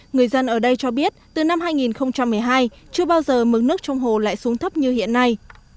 người dân ở đây cho biết từ năm hai nghìn một mươi hai chưa bao giờ mực nước trong hồ lại xuống thấp như hiện nay